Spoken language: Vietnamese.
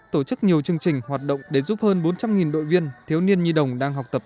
tổ chức nhiều chương trình hoạt động để giúp hơn bốn trăm linh đội viên thiếu niên nhi đồng đang học tập